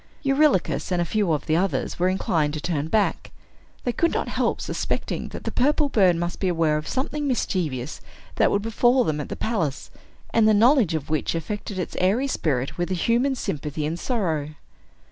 Eurylochus and a few of the others were inclined to turn back. They could not help suspecting that the purple bird must be aware of something mischievous that would befall them at the palace, and the knowledge of which affected its airy spirit with a human sympathy and sorrow.